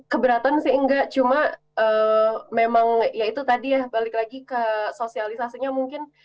keberatan sih enggak cuma memang ya itu tadi ya balik lagi ke sosialisasinya mungkin